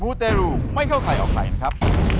ูเตรูไม่เข้าใครออกใครนะครับ